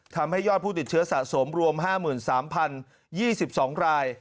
ทำให้ยอดผู้ติดเชื้อสะสมรวม๕๓๐๒๒ราย